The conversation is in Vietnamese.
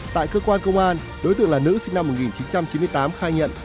tại cơ quan công an đối tượng là nữ sinh năm một nghìn chín trăm chín mươi tám khai nhận